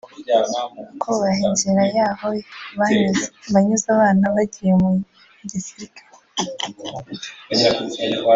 kubaha inzira y’aho banyuza abana bagiye mu gisirikare